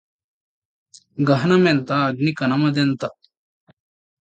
గహనమెంత అగ్ని కణమదెంత